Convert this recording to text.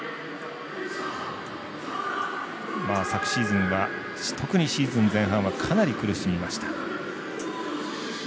昨シーズンは特にシーズン前半はかなり苦しみました。